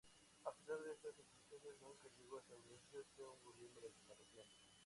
A pesar de estas intenciones, nunca llegó a establecerse un gobierno en la región.